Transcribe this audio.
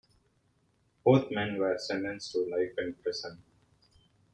Both men were sentenced to life in prison.